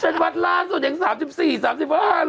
ฉันหวัดล่าส่วนใหญ่๓๔๓๕เวลา